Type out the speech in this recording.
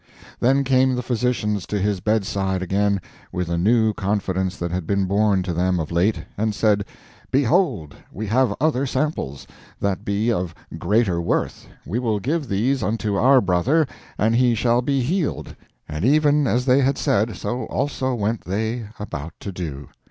Then came the physicians to his bed side again with a new confidence that had been born to them of late, and said, Behold, we have other samples, that be of greater worth; we will give these unto our brother, and he shall be healed. And even as they had said, so also went they about to do.